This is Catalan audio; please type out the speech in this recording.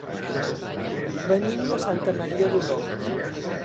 Venim de Santa Maria d'Oló.